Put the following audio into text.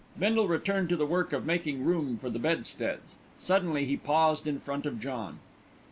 Bindle returned to the work of making room for the bedsteads. Suddenly he paused in front of John.